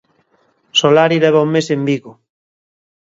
Solari leva un mes en Vigo.